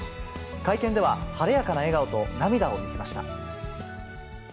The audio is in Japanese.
会見では、晴れやかな笑顔と、涙を見せました。